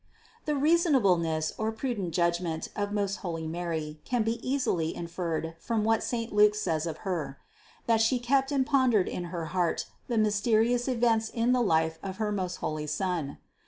The reasonableness or prudent judgment of most holy Mary can be easily inferred from what saint Luke says of Her: that She kept and pondered in her heart the mysterious events in the life of her most holy Son.